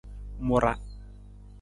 Mu ra.